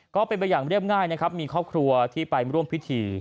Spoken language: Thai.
ก็เป็นไปอย่างเรียบง่ายนะครับมีครอบครัวที่ไปร่วมพิธี